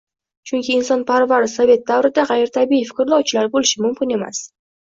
Chunki insonparvar sovet davrida... g‘ayritabiiy fikrlovchilar bo‘lishi mumkin emas